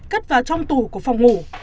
cất vào trong tủ của phòng ngủ